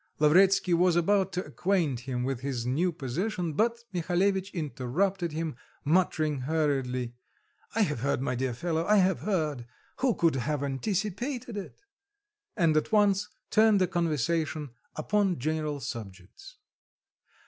Lavretsky was about to acquaint him with his new position, but Mihalevitch interrupted him, muttering hurriedly, "I have heard, my dear fellow, I have heard who could have anticipated it?" and at once turned the conversation upon general subjects.